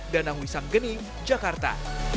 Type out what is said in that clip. danang wisam geni jakarta